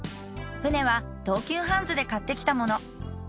舟は東急ハンズで買ってきたもの。